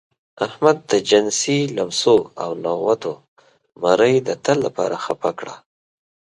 احمد د جنسي لمسو او نغوتو مرۍ د تل لپاره خپه کړه.